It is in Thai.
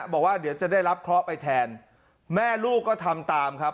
บอกว่าเดี๋ยวจะได้รับเคราะห์ไปแทนแม่ลูกก็ทำตามครับ